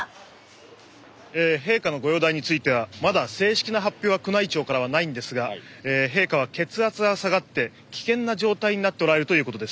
陛下のご容体についてはまだ正式な発表は宮内庁からはないんですが陛下は血圧が下がって危険な状態になっておられるということです。